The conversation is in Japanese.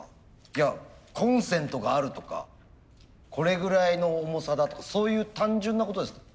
いやコンセントがあるとかこれぐらいの重さだとかそういう単純なことですか？